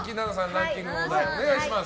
ランキングのお題をお願いします。